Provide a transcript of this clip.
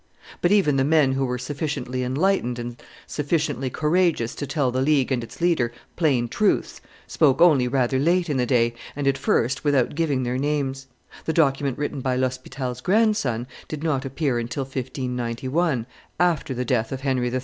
But even the men who were sufficiently enlightened and sufficiently courageous to tell the League and its leader plain truths spoke only rather late in the day, and at first without giving their names; the document written by L'Hospital's grandson did not appear until 1591, after the death of Henry III.